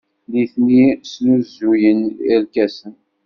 Nitni snuzuyen irkasen.